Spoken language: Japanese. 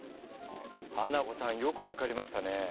ハナコさんよく分かりましたね。